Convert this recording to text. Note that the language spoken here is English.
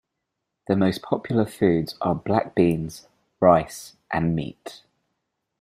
The most popular foods are black beans, rice, and meat.